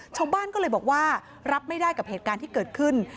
ชาวบ้านก็เลยบอกว่ารับไม่ได้กับเหตุการณ์ที่เกิดขึ้น